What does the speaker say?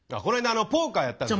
あのポーカーやったんですね。